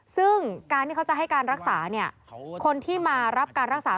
ซึ่งการที่เขาจะให้การรักษาคนที่มารับการรักษา